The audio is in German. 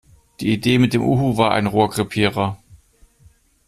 Die Idee mit dem Uhu war ein Rohrkrepierer.